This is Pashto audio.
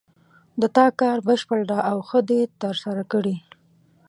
د تا کار بشپړ ده او ښه د ترسره کړې